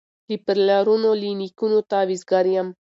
له پلرونو له نیکونو تعویذګر یم